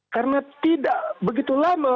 karena tidak begitu lama